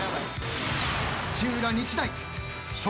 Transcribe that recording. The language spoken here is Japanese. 土浦日大笑